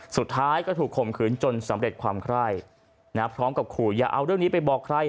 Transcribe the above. สุดท้ายก็ถูกข่มขืนจนสำเร็จความไคร่พร้อมกับขู่อย่าเอาเรื่องนี้ไปบอกใคร